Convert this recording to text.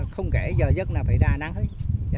không kể giờ giấc là phải ra nắng hết